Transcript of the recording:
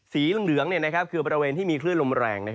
สีเหลืองคือบริเวณที่มีคลื่นลมแรง